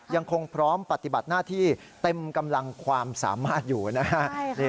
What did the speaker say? ยังคงพร้อมปฏิบัติหน้าที่เต็มกำลังความสามารถอยู่นะฮะ